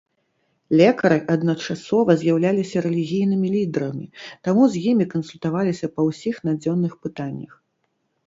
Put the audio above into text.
Лекары адначасова з'яўляліся рэлігійнымі лідарамі, таму з імі кансультаваліся па ўсіх надзённых пытаннях.